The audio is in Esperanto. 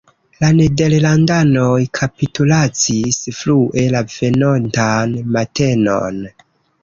La nederlandanoj kapitulacis frue la venontan matenon.